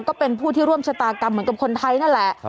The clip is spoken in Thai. ก็เป็นผู้ที่ร่วมชะตากรรมเหมือนกับคนไทยนั่นแหละ